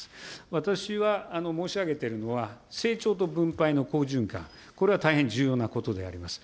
私は申し上げているのは、成長と分配の好循環、これは大変重要なことであります。